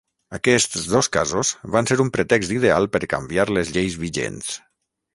Aquests dos casos van ser un pretext ideal per canviar les lleis vigents.